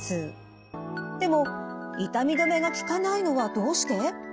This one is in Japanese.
でも痛み止めが効かないのはどうして？